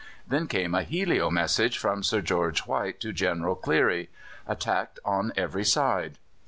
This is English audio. Then came a helio message from Sir George White to General Clery: "Attacked on every side."